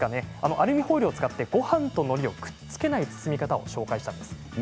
アルミホイルを使って、ごはんとのりをくっつけない包み方をご紹介したんです。